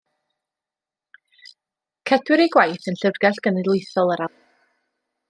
Cedwir ei gwaith yn Llyfrgell Genedlaethol yr Almaen.